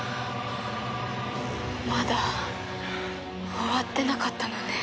まだ終わってなかったのね。